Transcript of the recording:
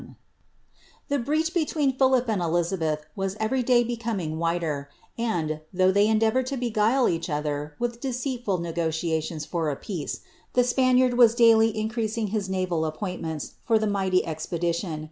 7 74 SLizABETn The breach between Philip and Elizabeth was every dajr becomhg wider, and, though ihey endeavoured lo beguile each other wilh d««u fut negotiations for a peace, llie Spaniard was daily increasing his unl appointments for the mighty eipedition.